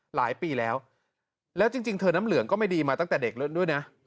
หลายปีแล้วแล้วจริงเธอน้ำเหลืองก็ไม่ดีมาตั้งแต่เด็กแล้วด้วยนะ